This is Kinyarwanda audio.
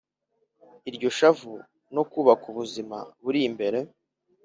iryo shavu no kubaka ubuzima buri imbere.